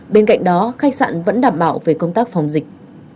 bên cạnh đó khách sạn vẫn đảm bảo về công tác phòng dịch